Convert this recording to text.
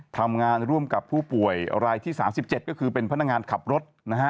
ทำงานร่วมกับผู้ป่วยรายที่๓๗ก็คือเป็นพนักงานขับรถนะฮะ